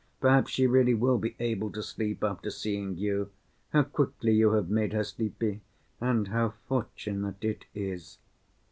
Perhaps she really will be able to sleep after seeing you. How quickly you have made her sleepy, and how fortunate it is!"